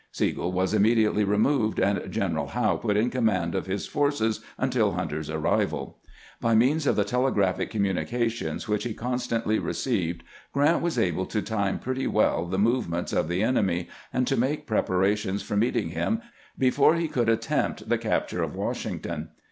Sigel was immediately removed, and General Howe put in command of his forces until Hunter's arrival. By means of the tele graphic communications which he constantly received Grant was able to time pretty well the movements of the enemy, and to make preparations for meeting him before he could attempt the capture of Washington.